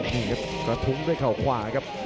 นี่ครับกระทุ้งด้วยเขาขวาครับ